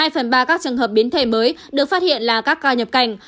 hai phần ba các trường hợp biến thể mới được phát hiện là các ca nhập cảnh